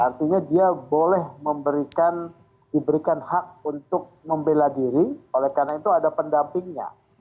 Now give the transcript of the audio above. artinya dia boleh memberikan diberikan hak untuk membela diri oleh karena itu ada pendampingnya